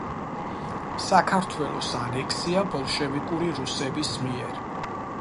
საქართველოს ანექსია ბოლშევიკური რუსების მიერ.